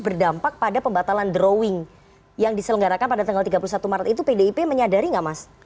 berdampak pada pembatalan drawing yang diselenggarakan pada tanggal tiga puluh satu maret itu pdip menyadari nggak mas